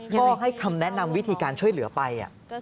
ก็ให้คำแนะนำวิธีการช่วยเหลือไป